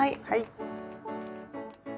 はい。